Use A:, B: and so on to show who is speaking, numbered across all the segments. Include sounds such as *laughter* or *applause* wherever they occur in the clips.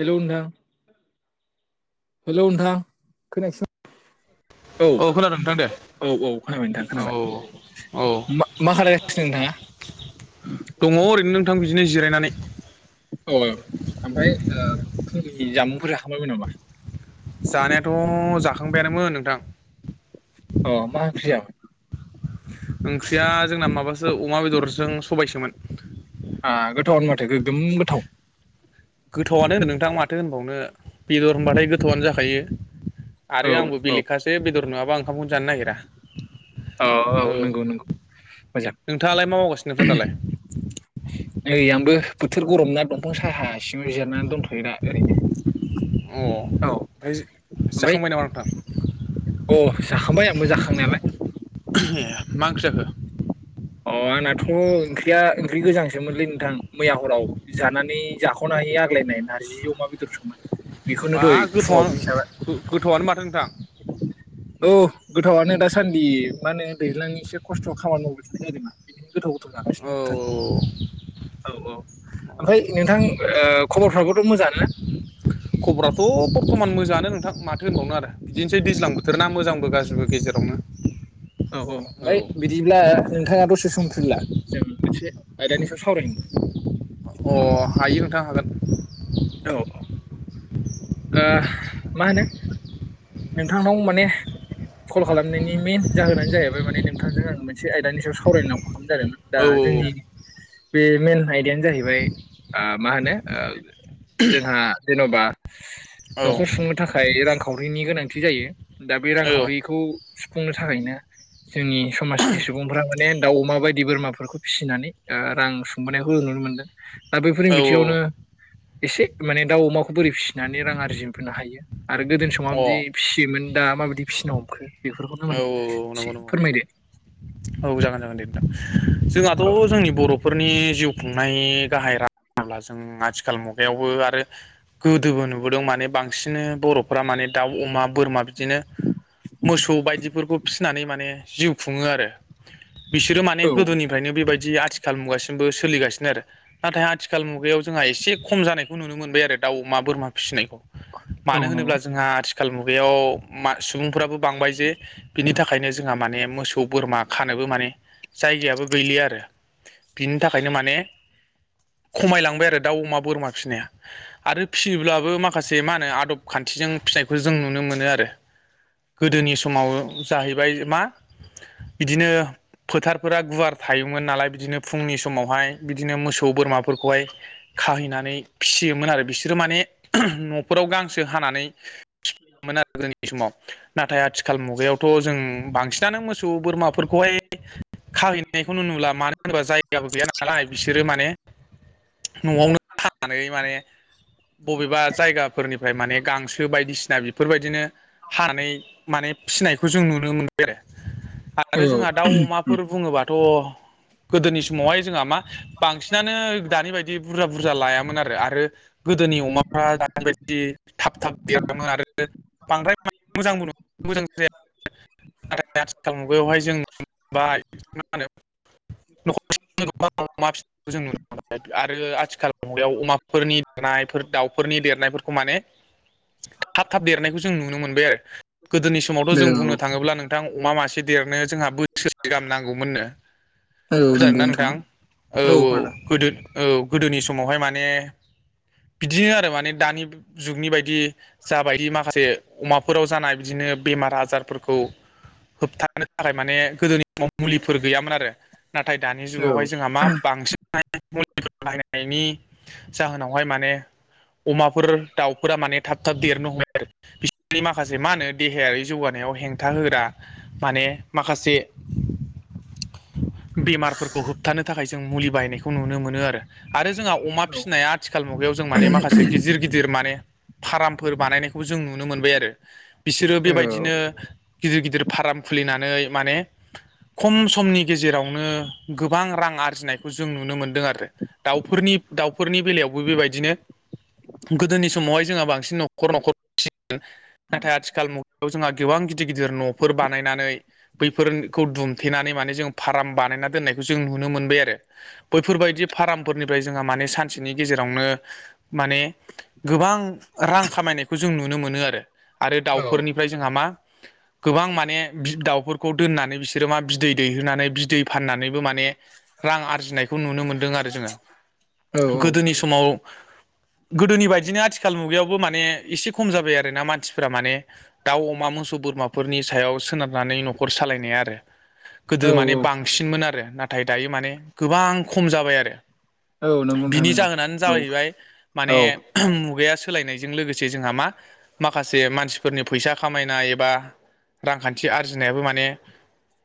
A: हेल' नोंथां हेल' नोंथां खोनायासै।
B: औ खोनादों नोंथां दे।
A: औ-औ खोनाबाय नोंथां
B: औ
A: खोनाबाय
B: औ
A: मा-मा खालामलायगासिनो नोंथाङा?
B: दङ ओरैनो नोंथां बिदिनो जिरायनानै
A: औ ओमफ्राय ओ फुंनि जामुंफोर जाखांबायमोन नामा?
B: जानायाथ' जाखांबायानोमोन नोंथां।
A: अ मा ओंख्रि जायामोन?
B: ओंख्रिया जोंना माबासो अमा बेदरजों सबायसोमोन।
A: आ गोथावानो माथो गोगोम गोथाव।
B: गोथावआनो नोंथां माथो होनबावनो बेदर होनबाथाय गोथावनो जाखायो आरो
A: औ
B: आंबो
A: औ
B: बेलेग खासे बेदर नङाबा ओंखामखौ जानो नागिरा। औ
A: मोजां
B: नोंथाङालाय मा मावगासिनो नोंथां दालाय?
A: *inaudible* नै आंबो बोथोर गरम ना दंफां साहा सिंआव जिरनानै दोनथ'यो दा ओरैनो।
B: अ
A: औ
B: ओमफ्राय जाखांबाय
A: ओमफ्राय
B: नामा नोंथां?
A: अ जाखांबाय आंबो जाखांनायालाय।
B: ए मा ओंख्रि जाखो?
A: अ आंनाथ' ओंख्रिया ओंख्रि गोजांसोमोनलै नोंथां मैया हराव जानानै जाख'नो हायै आग्लायनाय नारजि अमा बेदर सोमोन। बेखौनो
B: बा
A: दहाइ
B: गोथावआनो
A: फुङावबो एसे जाबाय।
B: गोथावआनो माथो नोंथां
A: औ गोथावआनो दासान्दि मा होनो दैज्लांनि एसे खस्थ' खामानि मावदों *inaudible* बिदिनो गोथाव
B: औ
A: गोथाव
B: औ
A: जानांसिगौ औ औ। ओमफ्राय
B: औ औ
A: नोंथां ओ खबरफ्राबोथ' मोजांआनो ना?
B: खबराथ' बर्थ'मान मोजाङानो नोंथां माथो होनबावनो आरो। बिदिनोसै दैज्लां बोथोर ना मोजांबो गाज्रिबो गेजेरावनो।
A: औ औ ओमफ्राय बिदिब्ला नोंथाङा दसे सम फ्रिला जों मोनसे आयदानि सायाव सावरायनि।
B: अ हायो नोंथां हागोन।
A: औ। ओ मा होनो नोंथांनाव माने कल खालामनायनि मेेन जाहोनानो जाहैबाय माने नोंथांजों आं मोनसे आयदानि सायाव सावरायनो होनना कल खालामनाय जादोंमोन। दा
B: औ
A: जोंनि बे मेन आयदायानो जाहैबाय आ मा होनो ओ जोंहा जेन'बा
B: औ
A: न'खर सुंनो थाखाय रांखावरिनि गोनांथि जायो दा बे
B: औ
A: रांखावरिखौ सुफुंनो थाखायनो जोंनि समाजनि सुबुंफोरा *unintelligible* दाउ अमा बायदि बोरमाफोरखौ फिसिनानै ओ रां सुंबोनायखौ जों नुनो मोनदों। दा बैफोरनि बिथिङावनो एसे माने दाउ अमाखौ बोरै फिसिनानै रां आरजिफिननो हायो आरो गोदोनि समाव
B: औ
A: माबादि फिसियोमोन दा माबायदि फिसिनो हमखो बेफोरखौनो
B: अ औ
A: माने
B: नंगौ
A: एसे
B: नंगौ
A: फोरमायदो।
B: औ जागोन जागोन दे नोंथां। जोंहाथ' जोंनि बर' फोरनि जिउ खुंनाय गाहाय राहा होनोब्ला जों आथिखाल मुगायावबो आरो गोदोबो नुबोदों माने बांसिन बर'फोरा माने दाउ, अमा, बोरमा बिदिनो मोसौ बायदिफोरबो फिनानै माने जिउ खुङो आरो बिसोर माने
A: औ
B: गोदोनि फ्रायनो बेबायदि आथिखाल मुगासिमबो सोलिगासिनो आरो। नाथाय आथिखाल मुगायाव जोंहा एसे खम जानायखौ नुनो मोनबाय आरो दाउ, अमा, बोरमा फिसिनायखौ।
A: औ
B: मानो होनोब्ला
A: नंगौ
B: जोंहा आथिखाल मुगायाव मा सुबुंफोराबो बांबाय जे बिनि थाखायनो जोंहा माने मोसौ बोरमा खानोबो माने जायगायाबो गैलिया आरो। बिनि थाखायनो माने खमायलांबाय आरो दाउ अमा बोरमा फिनाया। आरो फिसियोब्लाबो माखासे से मा होनो आदब खान्थिजों फिसिनायखौ जों नुनो मोनो आरो गोदोनि समाव जाहैबाय मा बिदिनो फोथारफोरा गुवार थायोमोन नालाय बिदिनो फुंनि समावहाय बिदिनो मोसौ बोरमाफोरखौहाय खाहैनानै फिसियोमोन आरो बिसोरो माने न'फोराव गांसो हानानै *inaudible* समाव नाथाय *unintelligible* आथिखाल मुगायावथ' जों बांसिनानो मोसौ बोरमाफोरखौहाय खाहैनायखौ नुला, मानो होनोब्ला जायगाबो गैया नालाय बिसोरो माने न'आवनो खानानै माने बबेबा जायगाफोरनिफ्राय माने गांसो बायदिसिना बेफोरबायदिनो हानानै माने फिसिनायखौ जों नुनो मोनबाय *unintelligible*
A: औ
B: आरो जोंहा दाउ अमाफोर बुङोबाथ' गोदोनि समावहाय जोंहा मा बांसिनानो दानि बायदि बुरजा बुरजा लायामोन आरो। आरो गोदोनि अमाफ्रा दानि बायदि थाब थाब देरामोन आरो बांद्राय मोजांबो नङा मोजां जाया, नाथाय आथिखाल मुगायावहाय जों मोनाय मा होनो न'खरसेयावनो गोबां अमा फिनायखौ जों नुनो मोनो। आरो आथिखाल मुगायाव अमाफोरनि देरनायफोर, दाउफोरनि देरनायफोरखौ माने थाब थाब देरनायखौ जों नुनो मोनबाय आरो। गोदोनि समावथ' जों
A: औ
B: बुंनो थाङोब्ला नोंथां अमा मासे देरनो जोंहा बोसोरसे गाहाम नांगौमोननो।
A: औ
B: खोनदों
A: नंगौ
B: ना नोंथां? औ औ। गोदो औ गोदोनि समावहाय माने बिदिनो आरो माने दानि जुगनि बायदि जाबायदि माखासे अमाफोराव जानाय बिदिनो बेमार आजारफोरखौ होबथानो थाखाय माने गोदोनि समाव मुलिफोर गैयामोन आरो। नाथाय दानि
A: औ
B: जुगावहाय जोंहा मा बांसिन *unintelligible* मुलि बायनायनि जाहोनावहाय माने अमाफोर, दाउफोरा माने थाब थाब देरनो हमो आरो, बिसोरनि माखासे मा होनो देहायारि जौगानायाव हेंथा होग्रा माने माखासे बेमारफोरखौ होबथानो थाखाय जों मुलि बायनायखौ नुनो मोनो आरो। जोंहा अमा
A: औ
B: फिसिनाया आथिखाल मुगायाव जों माने माखासे गिदिर गिदिर माने फारामफोर बानायनायखौ जों नुनो मोनबाय आरो। बिसोरो
A: औ
B: बेबायदिनो गिदिर गिदिर फाराम खुलिनानै माने खम समनि गेजेरावनो गोबां रां आरजिनायखौ जों नुनो मोनदों आरो। दाउफोरनि दाउफोरनि बेलायावबो बेबायदिनो गोदोनि समावहाय जोंहा बांसिन न'ख न'खर' न'खर फियोमोन। नाथाय आथिखाल मुगायाव जोंहा गोबां गिदिर गिदिर न'फोर बानायनानै बैफोरखौ दुमथेनानै माने जों फाराम बानायना दोननायखौ जों नुनो मोनबाय आरो। बैफोरबायदि फारामफोरनिफ्राय जोंहा माने सानसेनि गेजेरावनो माने गोबां रां खामायनायखौ जों नुनो मोनो आरो। फोरनिफ्राय जोंहा मा गोबां माने बि दाउफोरखौ दोननानै बिसोरो मा बिदै दैहोनानै बिदै फाननानैबो माने ने रां आरजिनायखौ नुनो मोनदों आरो जोङो
A: औ
B: गोदोनि समाव गोदोनि बायदिनो आथिखाल मुगायावबो माने एसे खम जाबाय आरोना मानसिफोरा माने दाउ अमा मोसौ बोरमाफोरनि सायाव सोनारनानै न'खर सालायनाय आरो गोदो माने
A: औ
B: बां सिनमोन आरो नाथाय दायो माने गोबां खम जाबाय आरो।
A: औ नंगौ नोंथां
B: बिनि
A: नंगौ
B: जाहोनानो
A: औ
B: जाहैबाय माने
A: औ
B: मुगाया सोलायनायजों लोगोसे जोंहा मा माखासे मानसि फोरनि फैसा खामायनाय एबा रांखान्थि आरजिनायाबो माने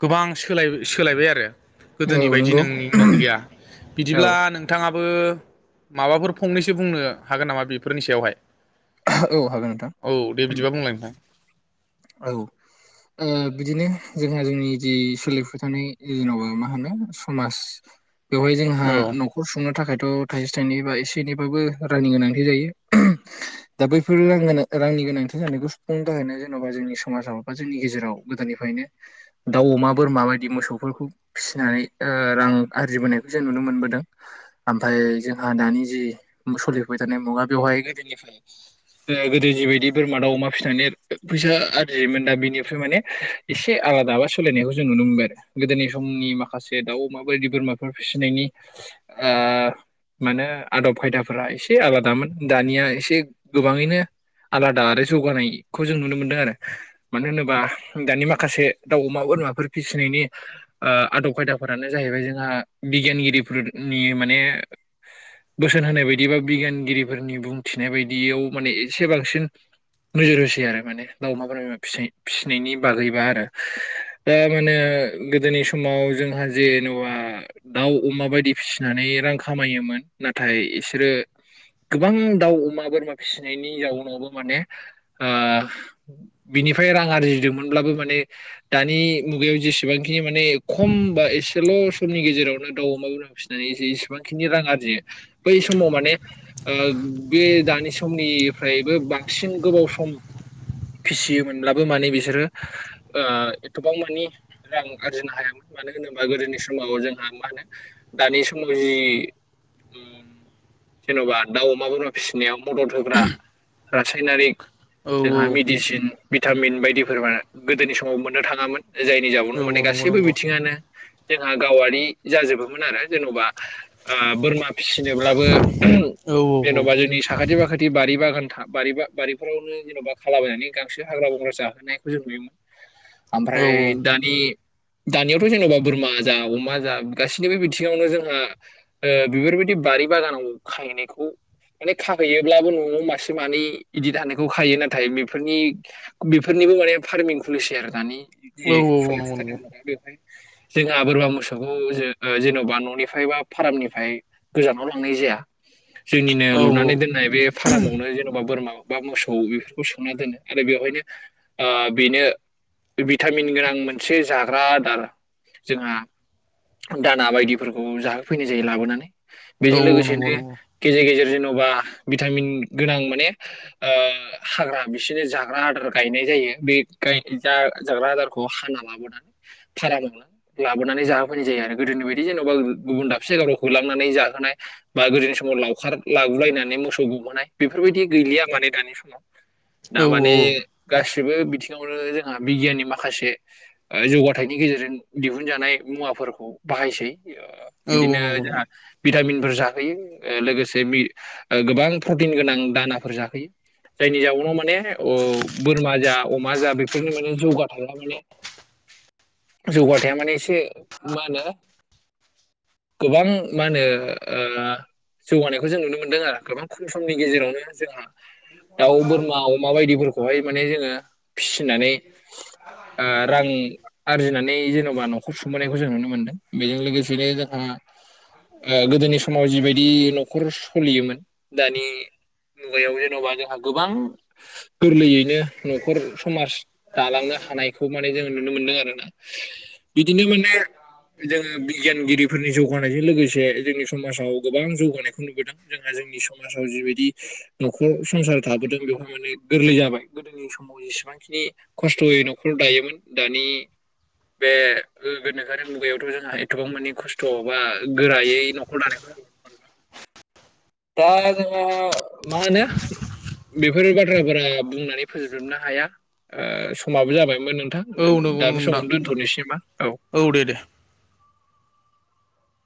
B: गोबां सो सोलाय-सोलायबाय आरो गोदोनि
A: औ
B: बायदि
A: नंगौ
B: नों नों गैया
A: औ
B: बिदिब्ला नों थाङाबो माबाफोर फंनैसो बुंनो हागोन नामा बेफोरनि सायावहाय?
A: औ हागोन नोंथां
B: बुंंलाय नोंथां।
A: औ। ओ बिदिनो जोंहा जोंनि जि सोलिफुबाय थानाय जेनबा मा होनो समाज बेवहाय जोंहा
B: औ
A: न' न'खर खुंनो थाखायथ' थाइसे थाइनै बा एसे एनैबाबो रांनि गोनांथि जायो। दा बैफोर रां गो रांनि गोनांथि जानायखौ सुफुंनो थाखायनो जेन'बा जोंनि समाजाव बा जोंनि गेजेराव गोदोनिफ्रायनो दाउ, अमा, बोरमा बायदि मोसौफोरखौ फिसिनानै ओ रां आरजिबोनायखौ जों नुनो मोनबोदों। ओमफाय जोंहा दानि जि सलिफुबाय थानाय मुगा बेवहाय गोदोनिफ्राय ओ गोदो जिबायदि बोरमा दा अमा फिसिनानै फैसा आरजियोमोन दा बिनिफ्राय माने एसे आलादाबा सोलायनायखौ जों नुनो मोनबाय आरो। गोदोनि समनि माखासे दाउ अमाबायदि बोरमाफोर फिसिनायनि आ मानो आदब खायदाफोरा एसे आलादामोन दानिया एसे गोबाङैनो आलादा आरो जौगानाय खौ जों नुनो मोनदों आरो मानो होनोबा दानि माखासे दाउ अमा बोरमाफोर फिसिनायनि ओ आदब खायदाफोरानो जाहैबाय जोंहा बिगियानगिरिफोरनि माने बोसोन होनाय बायदि बा बिगियानगिरिफोरनि बुंथिनाय बायदियाव माने एसे बांसिन नोजोर होसै आरो माने दाउ अमा बोरमा फिसि-फिसिनायनि बागैबा आरो। दा माने गोदोनि समाव जोंहा जेन'बा दाउ अमा बायदि फिसिनानै रां खामायोमोन नाथाय इसोरो गोबां दाउ अमा बोरमा फिसिनायनि जाउनावबो माने आ बिनिफ्राय रां आरजिदोंमोनब्लाबो माने दानि मुगायाव जेसेबांखिनि माने खम बा एसेल' समनि गेजेरावनो दाउ अमा फिसिनानै जि इसेबांखिनि रां आरजियो बै समाव माने ओ बे दानि समनिफ्रायबो बांसिन गोबाव सम फिसियोमोनब्लाबो माने बिसोरो आ एथबां मानि रां आरजिनो हायामोन मानो होनोबा गोदोनि समाव जोंहा मा होनो दानि समाव जि ओम जेन'बा दाउ अमा बोरमा फिसिनायाव मदद होग्रा रासायनारिक
B: औ
A: जोंहा मेडिसिन भिटामिन बायदिफोरब गोदोनि समाव मोननो थाङामोन जायनि
B: औ
A: जउनाव माने
B: औ नंगौ
A: गासैबो
B: नंगौ
A: बिथिङानो जोंहा गावारि जाजोबोमोन आरो जेन'बा ओ बोरमा फिसिनोब्लाबो
B: औ औ
A: जेन'बा जोंनि साखाथि फाखाथि बारि बागान था बारिबा बारि फोरावनो जेन'बा खालाबायनानै गांसो हाग्रा बंग्रा जाहोनायखौ जों नुयोमोन।
B: औ
A: ओमफ्राय दानि दानियावथ' जेन'बा बोरमा जा अमा जा गाससिनिबो बिथिङावनो जोंहा ओ बेफोरबायदि बारि बागानाव खांहैनायखौ माने खाहैयोब्लाबो न'आव मासे मानै इदि थानो खौ खायो नाथाय बेफोरनि बेफोरनिबो माने फार्मिं खुलिसि आरो दानि जि
B: औ औ नंगौ नंगौ
A: *unintelligible* बेवहाय जोंहा बोरमा मोसौखौ ज ओ जेन'बा न'निफ्राय बा फारामनिफ्राय गोजानाव लांनाय जाया जोंनिनो
B: औ
A: लुनानै दोननाय बे फार्मावनो जेन'बा बोरमा बा मोसौ औ बेफोरखौ सोंना दोनो आरो बेवहायनो ओ बेनो भिटामिन गोनां मोनसे जाग्रा आदार जोंहा दाना बायदिफोरखौ जाहोफैनाय जायो लाबोनानै
B: औ
A: बेजों
B: औ नंगौ
A: लोगोसेनो
B: नंगौ
A: गेजेर गेजेर जेन'बा भिटामिन गोनां माने ओ हाग्रा बिसोरनि जाग्रा आदार गायनाय जायो बे गाइ जाग्रा आदारखौ हाना लाबोनानै। *unintelligible* लाबोनानै जाहोफैनाय जायो आरो गोदोनि बायदि जेन'बा गुबुन दाबसे जायगाफ्रावखौ लांनानै जाहोनाय। बा गोदोनि समाव लावखार लागुलायनानै मोसौ गहोनाय बेफोरबायदि गैलिया माने दानि समाव। दा
B: औ
A: माने गासिबो बिथिङावनो जोंहा बिगियाननि माखासे आ जौगाथायाइनि गेजेरजों दिहुनजानाय मुवाफोरखौ बाहायसै ओ बिदिनो
B: नंगौ नंगौ
A: जाहा भिटामिनफोर जाहोयो ओ लोगोसे बि ओ गोबां प्रटिन गोनां दानाफोर जाहोयो। जायनि जाउनाव माने ओ बोरमा जा अमा जा बेफोरनि माने जौगा थांला माने जौगाथाया माने एसे मा होनो गोबां मा होनो ओ जौगानायखौ जों नुनो मोनदों आरो गोबां खम समनि गेजेरावनो जोंहा दाउ बोरमा अमा बायदिफोरखौहाय माने जोङो फिसिनानै ओ रां आरजिनानै जेन'बा न'खर सुंबोनायखौ जों नुनो मोन्दों बेजों लोगोसेनो जोंहा ओ गोदोनि समाव जिबायदि न'खर सोलियोमोन दानि मुगायाव जेन'बा जोंहा गोबां गोरलैयैनो न'खर समाज दालांनो हानायखौ माने जोंङो नुनो मोनदों आरोना बिदिनो माने जोङो बिगियानगिरिफोरनि जौगानायजों लोगोसे जोंनि समाजाव गोबां जौगानायखौ नुबोदों। जोंहा जोंनि समाजाव जिबायदि न'खर संसार थाबोदों बेवहाय माने गोरलै जाबाय गोदोनि समाव जेसेबांखिनि खस्थ'यै न'खराव दायोमोन दानि बे गोनोखोआि मुगायावथ' जोंहा एथबां मानि खस्थ' बा गोरायै न'खर लानायखौ दा जोंहा माहोनो बेफोर बाथ्राफोरा बुंनानै फोजोबजोबनो हाया ओ समाबो जाबायमोन नोंथां।
B: औ
A: जों
B: नंगौ नंगौ
A: दा बे
B: नोंथां
A: समावनो दोनथ'नोसै मा औ।
B: औ दे दे।